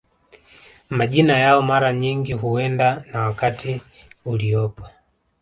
Majina yao mara nyingi huendana na wakati uliopo